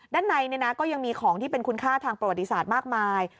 ด้านในก็ยังมีของที่เป็นคุณค่าทางประวัติศาสตร์มากมาย